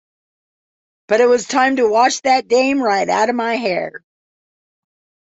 But it was time to wash that dame right out of my hair.